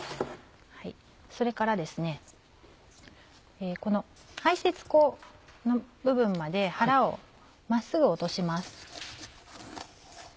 それからこの排泄腔の部分まで腹を真っすぐ落とします。